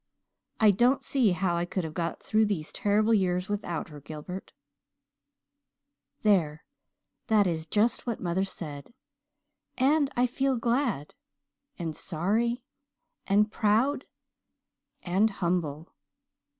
I don't see how I could have got through these terrible years without her, Gilbert.' "There, that is just what mother said and I feel glad and sorry and proud and humble!